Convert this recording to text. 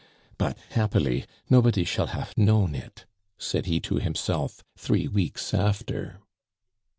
but, happily, nobody shall hafe known it!" said he to himself three weeks after.